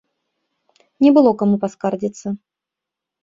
Не было каму паскардзіцца.